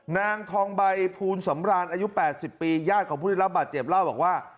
นางทองใบภูนสำราญอายุ๘๐ปีญาติของผู้ได้รับบาดเจ็บเล่าบอกว่า